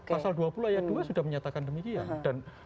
pasal dua puluh ayat dua sudah menyatakan demikian